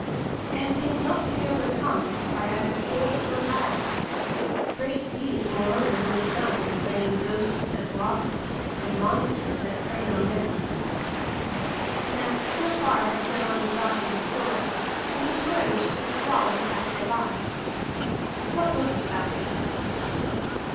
And he is not to be overcome by either force or guile; great deeds, moreover, he has done in laying ghosts that walked, and monsters that preyed on men." Now so far had Hiarandi got in his story, when he turned to the thrall who sat thereby. "At what lookest thou, man?"